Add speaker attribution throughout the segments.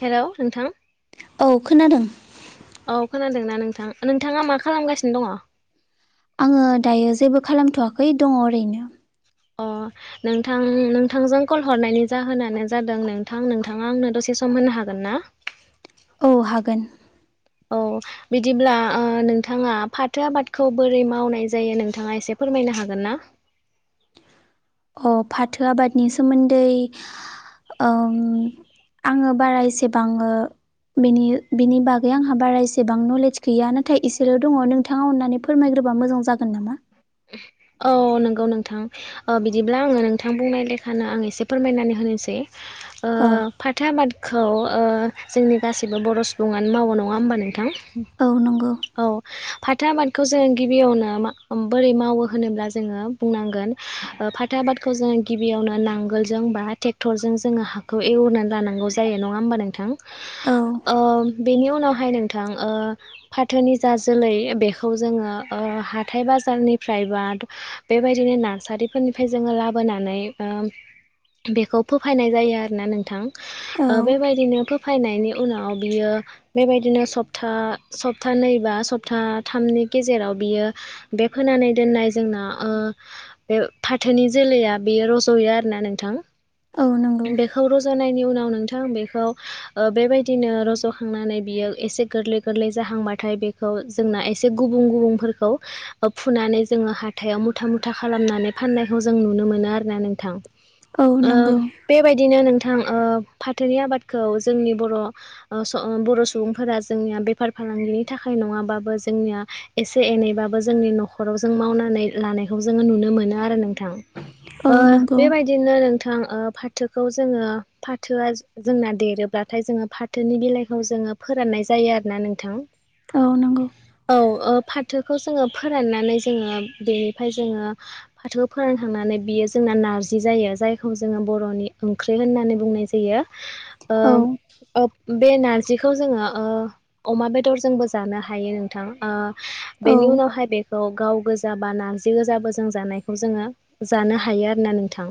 Speaker 1: हेल' नोंथां
Speaker 2: औ खोनादों।
Speaker 1: औ खोनादोंना नोंथां नोंथाङा मा खालामगासिनो दङ?
Speaker 2: आङो दायो जेबो खालामथ'वाखै दङ ओरैनो।
Speaker 1: अ नोंथां नोंथांजों कल हरनायनि जाहोनानो जादों नोंथां नोंथाङा आंनो दसे सम होनो हागोन ना?
Speaker 2: औ हागोन।
Speaker 1: अ बिदिब्ला ओ नोंथाङा फाथो आबादखौ बोरै मावनाय जायो नोंथाङा एसे फोरमायनो हा हागोनना?
Speaker 2: अ फाथो आबादनि सोमोन्दै ओम आङो बारा एसेबांयो बेनि बेनि बागै आंहा बारा एसेबां नलेज गैया नाथाय एसेल' दङ नोंथाङा अननानै फोरमायग्र ग्रोबा मोजां जागोन नामा?
Speaker 1: औ नंगौ नोंथां ओ बिदिब्ला आङो नोंथां बुंनाय लेखानो आं एसे फोरमायनानै होनोसै ओ
Speaker 2: औ
Speaker 1: फाथो आबाद खौ ओ जोंनि गासैबो बर' सुबुङानो मावो नङा होमबा नोंथां?
Speaker 2: औ नंगौ।
Speaker 1: अ फाथो आबादखौ जोङो गिबियावनो मा ओम बोरै मावो होनोब्ला जोङो बुंनांगोन ओ फाथो आबादखौ जोङो गिबियावनो नांगोलजों बा थेक्थरजों जोङो हाखौ एवनानै लानांगौ जाय यो नङा होमबा नोंथां
Speaker 2: औ
Speaker 1: अ बेनि उनावहाय नोंथां ओ फाथोनि जा जोलै ओ बेखौ जोङो ओ हाथाय बाजारनिफ्राय बा द बेबायदिनो इनारसारिफोरनिफ्राय जोङो लाबोनानै ओम बेखौ फोफायनाय जायो आरोना नोंथां।
Speaker 2: औ
Speaker 1: ओ बेबायदिनो फोफायनायनि उनाव बियो बेबायदिनो सपथा सपथानैै बा सपथा थामनि गेजेराव बियो बे फोनानै दोननाय जोंना ओ बे फाथोनि जोलैया बेयो रज'यो आरोना नोंथां।
Speaker 2: औ नंगौ
Speaker 1: बेखौ रज'नायनि उनाव अ नोंथां बेखौ ओ बेबायदिनो रज'खांनानै बियो एसे गोरलै गोरलै जाहांबाथाय बेखौ जोंना एसे गुबुं गुबुंफोरखौ ओ फुनानै जोङो हाथायाव मु मुथा मुथा खालामनानै फाननायखौ जों नुनो मोनो आरो ना नोंथां।
Speaker 2: औ
Speaker 1: ओ
Speaker 2: नंगौ
Speaker 1: बेबायदिनो नों ओ फाथोनि आबादखौ जोंनि बर'ओ बर' सुबुंफोरा जोंनिया बे बेफार फालांगिनि थाखाय नङाबाबो जोंनिया एसे एनैबाबो जोंनि न'खराव जों मावनानै लाना खौ जोंङो नुनो मोनो आरो नोंथां
Speaker 2: औ
Speaker 1: ओ
Speaker 2: नंगौ
Speaker 1: बेबायदिनो नोंथां ओ फाथोखौ जोङो फाथोआ जोंनो देरोब्लाथाय जोङो फाथोनि बिलाइखौ जों ओ माने फोराननाय जायो आरोना नोंथां।
Speaker 2: औ नंगौ
Speaker 1: औ ओ फाथोखौ जोङो फोराननानै जोङो बेनिफ्राय जोङो फाथोखो फोरानखांनानै बेयो जोंना नारजि जायो जायखौ जोङो बर'नि ओंख्रि होननानै बुंनाय जायो। ओ
Speaker 2: औ
Speaker 1: ओब बे नारजिखौ जोङो ओ अमा बेदरजोंबो जानो हायो नोंथां ओ
Speaker 2: औ
Speaker 1: बेनि उनावहाय बेखौ गाव गोजा बा नारजि गोजाबो जों जानायखौ जोङो जानो हायो आरोना नोंथां।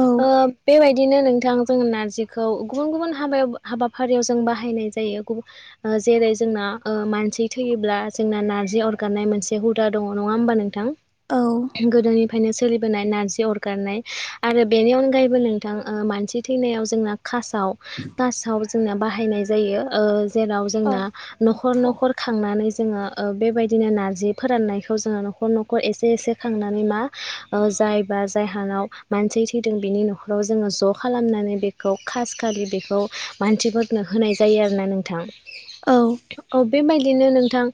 Speaker 2: औ
Speaker 1: ओ बेेबाय दिनो नोंथां जों नारजिखौ गुबुन गुबुन हाबायाव हाबाफारियाव जों बाहायनाय जायो। जेरै जोंना ओ मानसि थैयोब्ला जोंना नार्जि अरगानाय मोनसे हुदा दङ नङा होमबा नोंथां?
Speaker 2: औ
Speaker 1: गोदोनिफायनो सोलिबोनाय नारजि अरगारनाय आरो बेनि अनगायैबो नोंथां ओ मानसि थैनायाव जोंना कासाव कासाव जोंना बाहायनाय जायो ओ जेराव
Speaker 2: औ
Speaker 1: जोंना न'खर न'खर खांनानै जोङो ओ बेबायदिनो नारजि फोराननायखौ जोङो न'खर न'खर एसे एसे खांनानै मा ओ जाय बा जाय हानाव मानसि थैदों बिनि न'खराव जोङो ज' खालामनानै बेखौ खास खालि बेखौ मानसिफोरनो होनाय जायो आरोना नोंथां।
Speaker 2: औ
Speaker 1: ओ बेबाय दिनो नोंथां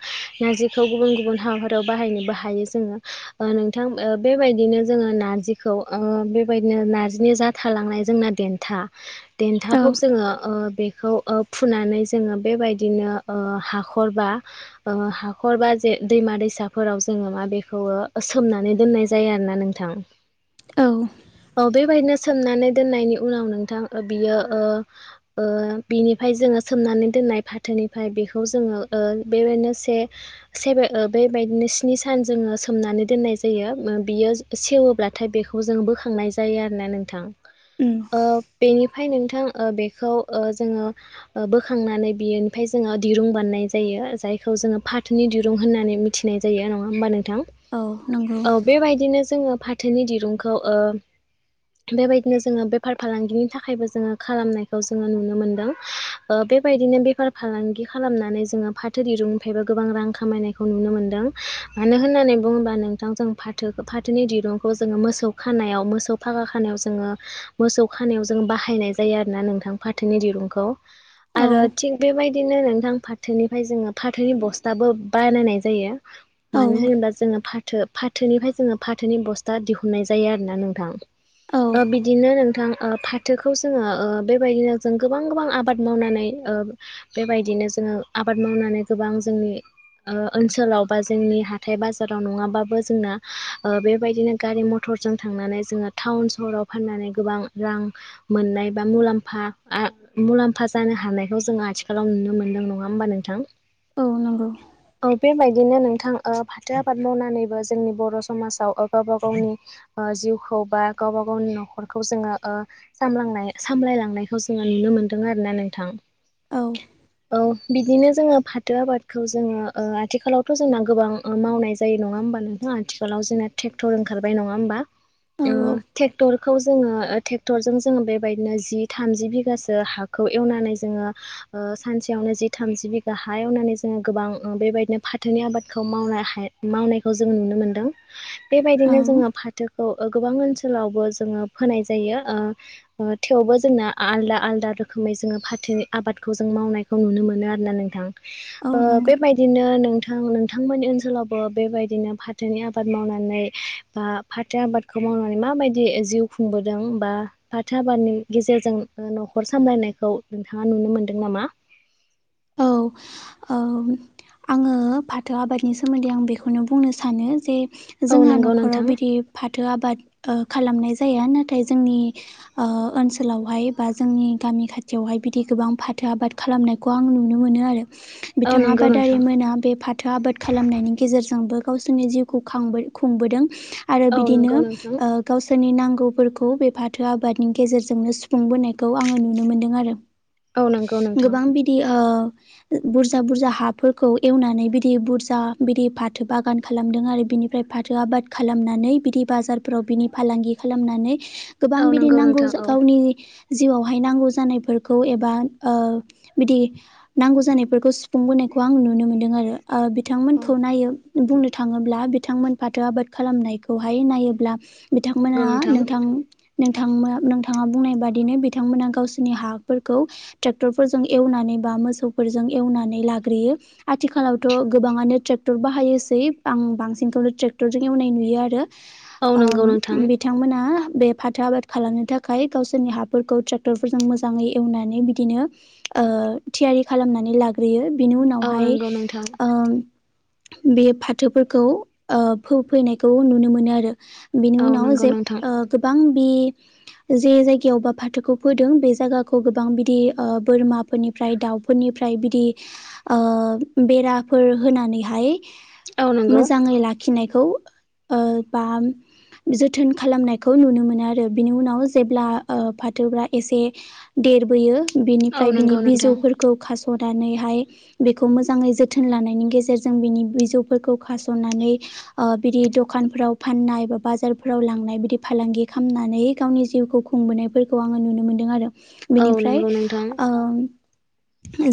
Speaker 1: नारजिखौ गुबन गुबुन हाबाफोराव बाहायनोबो हायो जोंङो ओ नोंथां ओ बे बेबायदिनो जोङो नार्जिखौ ओ बेबायदिनो नार्जिनि जा थालांनाय जोंना देन्था
Speaker 2: औ
Speaker 1: देन्थाखौ जोङो ओ बेखौ ओ फुनानै जोङो बेबायदिनो ओ हाखरबा ओ हाखरबा जे दैमा- दैसाफोराव जोङो मा बेखौ सोमनानै दोननाय जायो आरोना नोंथां
Speaker 2: औ
Speaker 1: औ बेबायदिनो सोमनानै दोननायनि उनाव नोंथां ओ बियो ओ ओ बिनिफाय जोङो सोमनानै दोननाय फाथोनिफ्राय बेखौ जोङो ओ बेबादिनो से से ओ बेबायदिनो स्नि सान जों ओ सोमनानै दोननाय जायो बियो सेवोब्लाथाय बेखौ जों बोखांनाय जायो आरोना नोंथां।
Speaker 2: उम
Speaker 1: ओ बेनिफाय नोंथां ओ बेखौ ओ जोङो बोखांनानै बिनिफाय जोङो दिरुं बानानाय जायो जायखौ जोङो फाथोनि दिरुं होननानै मिथिनाय जायो नङा होमबा नों
Speaker 2: औ नंगौ
Speaker 1: औ बेबायदिनो जोङो फाथोनि दिरुंखौ ओ बेबायदिनो जोङो बेफार फालांगिनि थाखायबो जोङो खालामनायखौ जोङो नुनो मोनदों ओ बेबायदिनो बे बेफार फालांगि खालामनानै जोङो फाथो दिरुंनिफ्रायबो गोबां रां खामायनायखौ नुनो मोनदों मानो होनो - होननानै बुङोबा नोंथां जों फाथो फाथोनि दिरुंखौ जोङो मोसौ खानायाव मोसौ फागा खानायाव जोङो मोसौ खानायाव जों बाहायनाय जायो आरोना नोंथां फाथोनि दिरुंखौ आरो
Speaker 2: औ
Speaker 1: थिग बेबायदिनो नोंथां फाथोनिफ्राय जोङो फाथोनि बस्थाबो बानायनाय जायो।
Speaker 2: औ
Speaker 1: मानो होनोबा जोङो फा - थो फाथोनिफ्राय जोङो फाथोनि बस्था दिहुननाय जायो आरोना नोंथां।
Speaker 2: औ
Speaker 1: बा बिदिनो नोंथां। ओ फाथोखौ जोङो ओ बेबायदिनो जों गोबां गोबां आबाद मावनानै ओ बेबायदिनो जोङो आबाद मावनानै गोबां जोंनि ओ ओनसोलाव बा जोंनि हाथाय बाजाराव नङाबाबो जोंना ओ बेबायदिनो गारि मथ जों थांनानै जोङो टाउन सहराव फाननानै गोबां रां मोननाय बा मुलाम्फा मुलाम्फा जानो हानायखौ जोङो आथिखालाव नुनो मोनदों नङा होमबा नोंथां?
Speaker 2: औ नंगौ
Speaker 1: बिदिनो नोंथां ओ फाथो आबाद मावनानैबो जोंनि बर' समाजाव गावबा गावनि ओ जिउखौ बा गावबा गावनि न'खरखौ जोङो ओ सामलां सामलायलांनायखौ जोङो नुनो मोनदों आरोना नोंथां
Speaker 2: औ
Speaker 1: औ बिदिनो जोङो फाथो आबादखौ जोङो ओ आथिखालावथ' जोंना गोबां मावनाय जायो नङा होमबा नोंथां आथिखालाव जोंना ट्रेक्टर ओंखारबाय नङा होमबा
Speaker 2: औ
Speaker 1: ओ
Speaker 2: औ
Speaker 1: टेक्टरखौ जोङो टेक्टरजों जोङो बेबायदिनो जि थामजि बिगासो हाखौ एवनानै जोङो ओ सानसेयावनो जि थामजि बिघा हा एवनानै जोङो गोबां बेबायदिनो फाथोनि आबादखौ मावनानै मावनायखौ जों नुनो मोनदों
Speaker 2: औ
Speaker 1: बेबायदिनो जोङो फाथो गोबां ओनसोलावबो जोङो फोनाय जायो थेवबो जोंना आलदा आलदा रोखोमै जोङो फाथो आबादखौ जों मावनायखौ नुनो मोनो आरोना नोंथां
Speaker 2: औ
Speaker 1: ओ
Speaker 2: नंगौ
Speaker 1: बेबायदिनो नोंथां नोंथांमोननि ओनसोलावबो बेबायदिनो फाथोनि आबाद मावनानै बा फाथो आबाद खौ मावनानै माबायदि जिउ खुंबोदों बा फाथो आबादनि गेजेरजों न'खर सामलायनायखौ नंङा नुनो मोनदों नामा?
Speaker 2: औ औ आंङो फाथो आबादनि सोमोन्दै आं बेखौनो बुंनो सानो जे
Speaker 1: औ
Speaker 2: जोंहा
Speaker 1: नंगौ
Speaker 2: न'खराव
Speaker 1: नोंथां
Speaker 2: बिदि फा थो आबाद ओ खालामनाय जाया नाथाय जोंनि ओ ओनोलावहाय बा जोंनि गामि खाथियावहाय बिदि गोबां फाथो आबाद खालामनायखौ आं नुनो मोनो आरो
Speaker 1: औ
Speaker 2: बिथां
Speaker 1: नंगौ
Speaker 2: आबादारि
Speaker 1: नोंथां
Speaker 2: मोना बे फाथो आबाद खालामनायनि गेजेरजोंबो गावसोरनि जिउखौ खां खुंबोदों आरो
Speaker 1: औ
Speaker 2: बिदिनो
Speaker 1: नंगौ नोंथां
Speaker 2: ओ गावसोरनि नां गौफोरखौ बे फाथो आबादनि गेजेरजोंनो सुफुंबोनायखौ आङो नुनो मोनदों आरो।
Speaker 1: औ नंगौ नोंथां
Speaker 2: गोबां बिदि ओ बुरजा बुरजा हाफोरखौ एवनानै बिदि बुरजा बिदि फाथो बागान खालामो दों आरो बिनिफ्राय फाथो आबाद खालामनानै बिदि बाजारफोराव बिनि फालांगि खालामनानै गोबां
Speaker 1: औ
Speaker 2: बिदि
Speaker 1: नंगौ
Speaker 2: नांगौ
Speaker 1: नोंथां औ
Speaker 2: गावनि जिउआवहाय नांगौ जानायफोरखौ एबा ओ बिदि नांगौ जानायफोरखौ सुफुंबोनायखौ आं नुनो मोनदों आरो ओ बिथांमोनखौ नायो बुंनो थाङोब्ला बिथांमोन फाथो आबाद खालामनायखौहाय नायोब्ला
Speaker 1: औ
Speaker 2: बिथांमोना
Speaker 1: नंगौ
Speaker 2: नोंथां नोंथां मोआ ओनोंथाङा बुंनाय बादिनो बिथांमोना गावसोरनि हाफोरखौ टेक्टर फोरजों एवनानै बा मोसौफोरजों एवनानै लाग्रोयो आथिखालावथ' गोबांङानो टक्टर बाहायो सै आं बांसिनखौनो ट्रेक्टरजों एवनाय नुयो आरो
Speaker 1: औ नंगौ
Speaker 2: ओ
Speaker 1: नोंथां
Speaker 2: बिथांमोना बे फाथो आबाद खालामनो थाखाय गावसोरनि हाफोरखौ ट्रेक्टरफोरजों मोजाङै एवनानै बिदिनो ओ थियारि खालामनानै लाग्रोयो बिनि
Speaker 1: औ
Speaker 2: उनावहाय
Speaker 1: नंगौ नोंथां
Speaker 2: ओ बे फाथोफोरखौ ओ फोफैनायखौ नुनो मोनो आरो बिनि
Speaker 1: औ
Speaker 2: उनाव
Speaker 1: नंगौ
Speaker 2: जे
Speaker 1: नोंथां
Speaker 2: ओ गोबां बे जे जायगायावबा फाथोखौ फोदों बे जायगाखौ गोबां बिदि ओ बोरमा फोरनिफ्राय दाउफोरनिफ्राय बिदि ओ बेराफोर होनानैहाय
Speaker 1: औ नंगौ
Speaker 2: मोजाङै लाखिनायखौ ओ बा जोथोन खालामनायखौ नुनो मोनो आरो बिनि उनाव जेब्ला ओ फाथो बा एसे देरबोयो
Speaker 1: औ
Speaker 2: बिनिफ्राय बिनि
Speaker 1: नंगौ नोंथां
Speaker 2: बिजौफोरखौ खास'नानैहाय बेखौ मोजाङै जोथोन लानायनि गेजेरजों बिनि बिजौफोरखौ खास'नानै ओ बिदि दखानफोराव फाननाय बा बाजारफोराव लांनाय बिदि फालांगि खालामनानै गावनि जिउखौ खुंबोनाय फोरखो आङो नुनो मोनदों आरो
Speaker 1: औ
Speaker 2: बिनिफ्राय
Speaker 1: नंगौ नोंथां
Speaker 2: ओ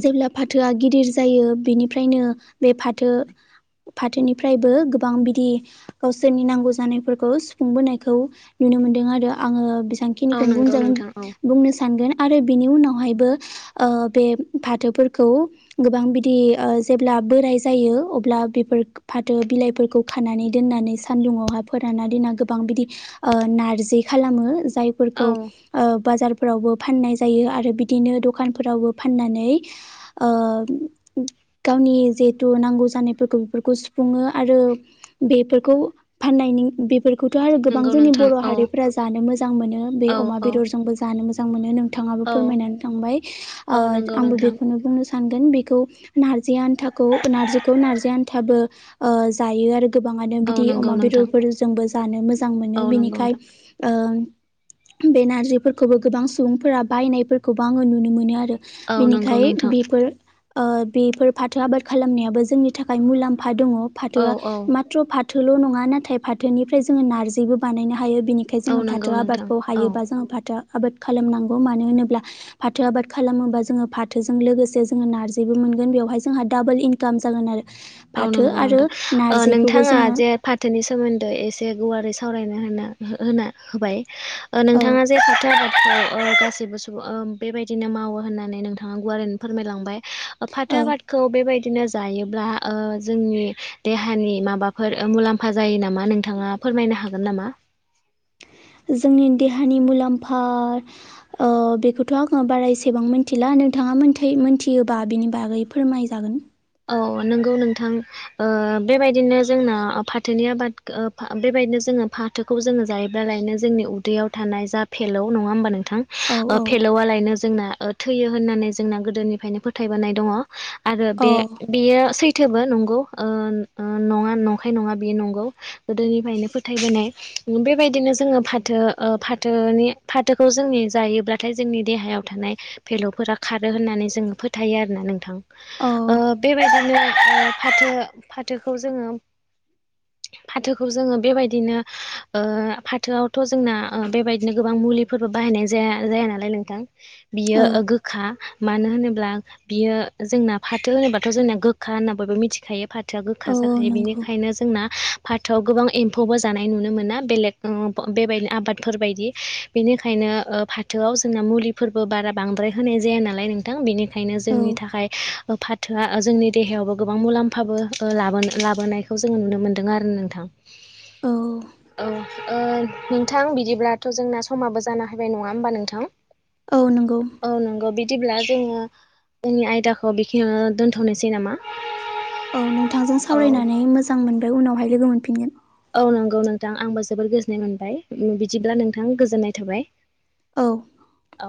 Speaker 2: जेब्ला फाथोआ गिदिर जायो बिनिफ्रायनो बे फाथो फाथोनिफ्रायबो गोबां बिदि गावसोरनि नांगौ जानायफोरखौ सुफुंबोनायखौ नु नो मोनदों आरो आङो
Speaker 1: औ
Speaker 2: दांखिनिखौ
Speaker 1: नंगौ
Speaker 2: बुंजागोन
Speaker 1: नोंथां औ
Speaker 2: बुंनो सानगोन आरो बिनि उनावहायबो ओ बे फाथोफोरखौ गोबां बिदि ओ जेब्ला बोराय जायो अब्ला बे फोर फाथो बिलाइफोरखौ खानानै दोननानै सानदुंआवहाय फोराना दोनना गोबां बिदि ओ नारजि खालामो जाय फोरखौ
Speaker 1: औ
Speaker 2: ओ बाजारफोरावबो फाननाय जायो आरो बिदिन दख खान फोरावबो फाननानै ओ गावनि जेथु नांगौ जानायफोरख बेफोरखौ सुफुङो आरो बेफोरखौ फाननायनि बेफ फोरखौथ' आरो गोबां
Speaker 1: नंगौ
Speaker 2: जोंनि
Speaker 1: नोंथां
Speaker 2: बर'
Speaker 1: औ
Speaker 2: हारिफोरा जानो मोजां मोनो बे
Speaker 1: औ
Speaker 2: अमा
Speaker 1: औ
Speaker 2: बेदरजोंबो जानो मोजां मोनो नों थाङाबो
Speaker 1: औ
Speaker 2: फोरमायनानै थांबाय
Speaker 1: औ
Speaker 2: ओ
Speaker 1: नंगौ
Speaker 2: आंबो
Speaker 1: नोंथां
Speaker 2: बेखौनो बुंनो सा नगोन बेखौ नारजि आनथाखौ नारजिखौ नारजि आनथाबो ओ जायो आरो। गोबाङानो
Speaker 1: औ
Speaker 2: बिदि
Speaker 1: नंगौ
Speaker 2: अमा
Speaker 1: नोंथां
Speaker 2: बेदरफोर जोंबो जानो मोजां
Speaker 1: औ
Speaker 2: मोनो
Speaker 1: नंगौ
Speaker 2: बिनिखाय
Speaker 1: नोंथां
Speaker 2: ओ बे नारजिफोरखौबो गोबां सुबुंफोरा बायनायफोरखौबो आङो नुनो मोनो आरो।
Speaker 1: औ नंगौ
Speaker 2: बिनिखाय
Speaker 1: नोंथां
Speaker 2: बेफोर ओ बेफोर फाथो आबाद खालामनायाबो जोंनि थाखाय मुलाम्फा दङ
Speaker 1: औ
Speaker 2: फाथोआ
Speaker 1: औ
Speaker 2: माथ्र' फाथ थोल' नङा नाथाय फाथोनिफ्राय जोङो नारजिबो बानायनो हायोब बिनिखाय जोङो
Speaker 1: औ नंगौ
Speaker 2: फाथो
Speaker 1: नोंथां
Speaker 2: आबादखौ
Speaker 1: औ
Speaker 2: हायोबा जोङो फाथो आबाद खालामनांगौ मानो होनोब्ला फाथ थो आबाद खालामोबा जोङो फाथोजों लोगोसे जोङो नारजिबो मोनगोन बेवहाय जोंहा दाबोल इनकाम जागोन आरो।
Speaker 1: औ
Speaker 2: फाथो
Speaker 1: नंगौ
Speaker 2: आरो
Speaker 1: नोंथां ओ
Speaker 2: नारजिखौबो
Speaker 1: नोंथाङा
Speaker 2: जोङो
Speaker 1: जे फाथोनि सोमोन्दै एसे गुवारै सावरायनो होनो हो-होना होबाय ओ
Speaker 2: औ
Speaker 1: नोंथाङा जे फाथो ‌आबाद खो ओ गासैबो सुबुं बेबायदिनो मावो होननानै नोंथाङा गुवारैनो फोरमायलांबाय। फाथो
Speaker 2: औ
Speaker 1: आबादखौ बेबायदिनो जायोब्ला ओ जोंनि देहानि माबाफोर मुलाम्फा जायो नामा नोंथाङा फोरमायनो हागोन नामा? [inaudible]
Speaker 2: जोंनि देहानि मुलाम्फा ओ बेखौथ' आङो बारा एसेबां मिथिला नोंथां मा मोनथाय मोनथियोबा बिनि बागै फोरमायजागोन।
Speaker 1: औ नोंगौ नोंथां ओ बेबायदिनो जोंना ओ फाथोनि आबाद बेबायदिनो जोङो फाथोखौ जोङो जायोब्ला लायनो जोंनि उदैयाव थानाय जा फेलौ नङा होमबा नों थां
Speaker 2: औ
Speaker 1: ओ
Speaker 2: औ
Speaker 1: फेलौवालायनो जोंना थैयो होननानै जोंना गोदोनिफ्रायनो फोथायबोनाय दङ‌। आरो
Speaker 2: अ
Speaker 1: बे नो सैथोबो नंगौ ओ नं न नंखाय नङा बेयो नंगौ गोदोनिफ्रायनो फोथायोनाय। नाय बेबायदिनो जोङो फाथो ओ फाथोनि फाथोखौ जोंनि जायोब्लाथाय जोंनि दे हायाव थानाय फेल'फोरा खारो होननानै जोङो फोथायो आरोना नोंथां
Speaker 2: औ
Speaker 1: ओ बेबायदिनो फाथो फाथोखौ जोङो। फाथोखौ जोङो बेबायदिनो ओ फाथोआवथ' जोंना ओ बेबायदिनो गोबां मुलिफोरबो बाहायनाय जाया जाया नालाय नोंथां। बियो
Speaker 2: औ
Speaker 1: ओ गोखा मानो होनोब्ला बियो जोंना फाथो होनोबा थ' जोंना गोखा होनना बयबो मिथिखायो फाथोआ गोखा
Speaker 2: औ
Speaker 1: जाखायो
Speaker 2: नंगौ
Speaker 1: बेनिखायनो जोंना फाथोआव गोबां एम्फौबो जानाय नुनो मोना बेलेग बेबायदिनो आबादफोर बायदि बेनिखायनो ओ फाथोआव जोंना मुलिफोरबो बारा बांद्राय होनाय जाया नालाय नोंथां बेनि खायनो
Speaker 2: औ
Speaker 1: जोंनि थाखाय ओ फाथ थोआ जोंनि देहायावबो गोबां मुलाम्फाबो ओ लाबोन लाबोनायखौ जोङो नुनो मोन्दों आरो नोंथां।
Speaker 2: औ।
Speaker 1: औ ओ नोंथां बिदिब्लाथ' जोंना समाबो जाना हायबाय नङा होमबा नोंथां।
Speaker 2: औ नंगौ।
Speaker 1: औ नंगौ बिदिब्ला जोङो जोंनि आयदाखौ बेखिनियावनो दोन्थ'नोसै नामा?
Speaker 2: औ नोंथांजों
Speaker 1: औ
Speaker 2: सावरायनानै मोजां मोनबाय उनावहाय लोगो मोनफिनगोन।
Speaker 1: औ नंगौ नोंथां आंबो जोबोर गोजोननाय मोनबाय बिदिब्ला नोंथां गोजोननाय थाबाय।
Speaker 2: औ।
Speaker 1: औ।